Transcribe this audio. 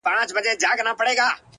• چي يقين يې د خپل ځان پر حماقت سو,